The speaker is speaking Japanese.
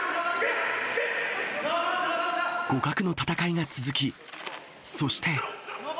互角の戦いが続き、そして。